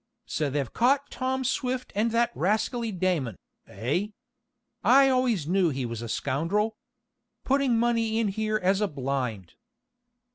So they've caught Tom Swift and that rascally Damon, eh? I always knew he was a scoundrel! Putting money in here as a blind!"